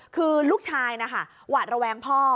คือลูกชายนะคะหวาดระแวงพ่อ